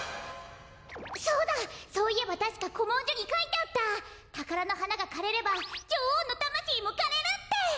そうだそういえばたしかこもんじょにかいてあった「たからのはながかれればじょおうのたましいもかれる」って！